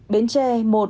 một bến tre